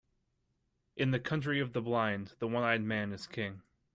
In the country of the blind, the one-eyed man is king.